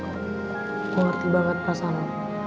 gue ngerti banget perasaan lo